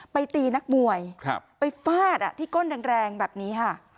ตีนักมวยไปฟาดที่ก้นแรงแบบนี้ค่ะ